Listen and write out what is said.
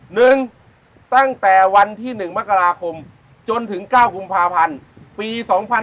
หนึ่งตั้งแต่วันที่๑มกราคมจนถึงเก้ากุมภาพันธ์ปี๒๕๖๒